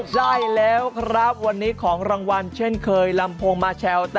ใช่แล้วครับวันนี้ของรางวัลเช่นเคยลำโพงมาแชล